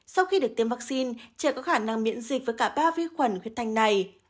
sau khi được tiêm vaccine trẻ có khả năng miễn dịch với cả ba vi khuẩn huyết thanh này